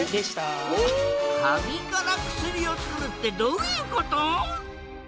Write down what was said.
カビから薬をつくるってどういうこと？